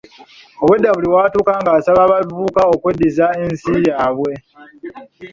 Obwedda buli w'atuuka ng'asaba abavubuka okweddiza ensi yaabwe.